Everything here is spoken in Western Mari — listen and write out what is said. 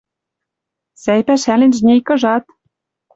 Сӓй, пӓшӓлен жнейкыжат